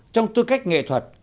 trong tư cách nghệ thuật